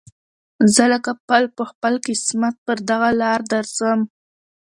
زه لکه پل په خپل قسمت پر دغه لاره درځم